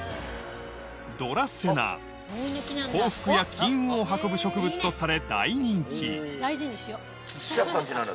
ドラセナ幸運や金運を運ぶ植物とされ大人気ちさ子さん